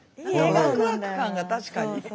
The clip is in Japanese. ワクワク感が確かに。